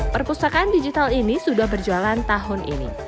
perpustakaan digital ini sudah berjalan tahun ini